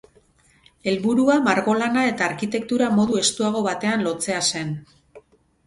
Helburua margolana eta arkitektura modu estuago baten lotzea zen.